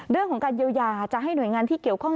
เรื่องของการเยียวยาจะให้หน่วยงานที่เกี่ยวข้อง